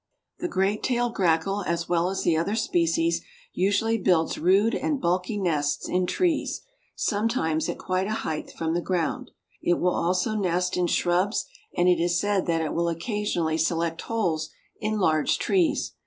The Great tailed Grackle, as well as the other species, usually builds rude and bulky nests in trees, sometimes at quite a height from the ground. It will also nest in shrubs and it is said that it will occasionally select holes in large trees.